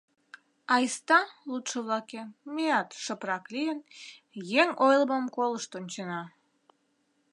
Айста, лудшо-влакем, меат, шыпрак лийын, еҥ ойлымым колышт ончена.